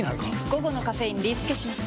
午後のカフェインリスケします！